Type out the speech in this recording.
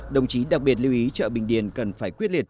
đồng chí đặc biệt lưu ý chợ bình điền cần phải quyết liệt